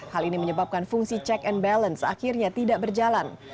hal ini menyebabkan fungsi check and balance akhirnya tidak berjalan